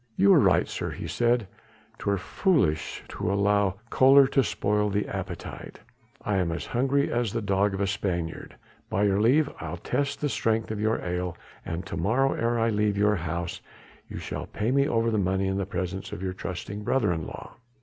"You are right, sir," he said, "'twere foolish to allow choler to spoil the appetite. I am as hungry as the dog of a Spaniard. By your leave I'll test the strength of your ale and to morrow ere I leave your house you shall pay me over the money in the presence of your trusting brother in law.